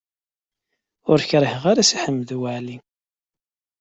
Ur k-kriheɣ ara a Si Ḥmed Waɛli.